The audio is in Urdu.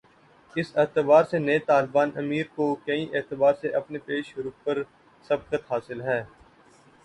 اس اعتبار سے نئے طالبان امیر کو کئی اعتبار سے اپنے پیش رو پر سبقت حاصل ہے۔